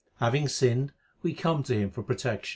Having sinned we come to him for protection.